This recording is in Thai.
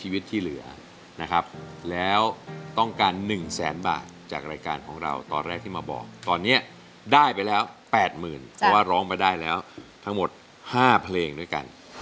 เพราะว่าร้องไปได้แล้วทั้งหมด๕เผลงด้วยกัน